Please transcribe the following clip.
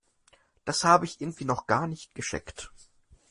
Das habe ich irgendwie noch nicht ganz gecheckt.